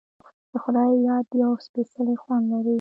د خدای یاد یو سپیڅلی خوند لري.